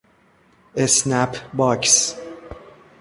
اسنپ باکس